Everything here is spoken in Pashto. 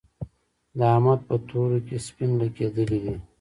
د احمد په تورو کې سپين لګېدلي دي.